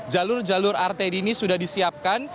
jalur jalur arteri ini sudah disiapkan